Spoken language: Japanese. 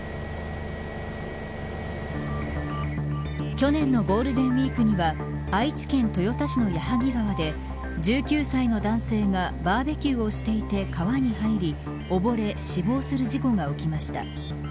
去年のゴールデンウイークには愛知県豊田市の矢作川で１９歳の男性がバーベキューをしていて、川に入りおぼれ死亡する事故が起きました。